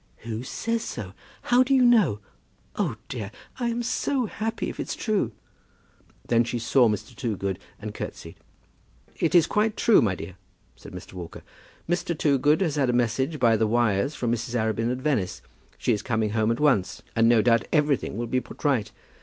"Who says so? How do you know? Oh, dear; I am so happy, if it's true." Then she saw Mr. Toogood, and curtseyed. "It is quite true, my dear," said Mr. Walker. "Mr. Toogood has had a message by the wires from Mrs. Arabin at Venice. She is coming home at once, and no doubt everything will be put right.